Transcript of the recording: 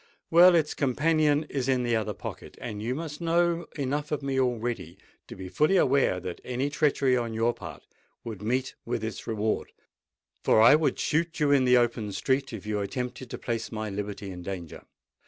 Well its companion is in the other pocket; and you must know enough of me already, to be fully aware that any treachery on your part would meet with its reward; for I would shoot you in the open street, if you attempted to place my liberty in danger."